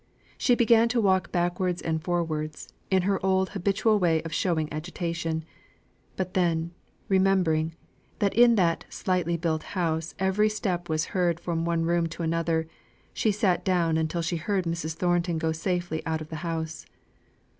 She began to walk backwards and forwards, in her old habitual way of showing agitation; but, then, remembering that in that slightly built house every step was heard from one room to another, she sate down until she heard Mrs. Thornton go safely out of the house.